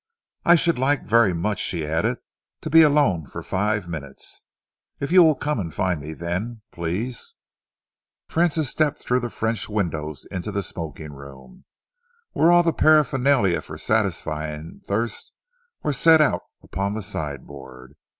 "I should like very much," she added, "to be alone for five minutes. If you will come and find me then please!" Francis stepped through the French windows into the smoking room, where all the paraphernalia for satisfying thirst were set out upon the sideboard.